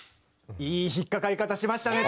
いい引っかかり方しましたね！